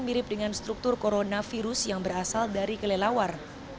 mirip dengan struktur corona virus yang berasal dari kelelawar